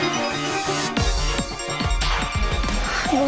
bukannya ini nino yang tumpok